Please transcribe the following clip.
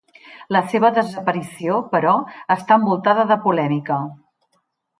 La seva desaparició, però, està envoltada de polèmica.